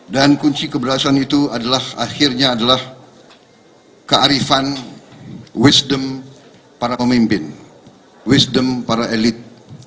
dan kunci keberhasilan itu adalah akhirnya adalah kearifan wisdom para pemimpin wisdom para elit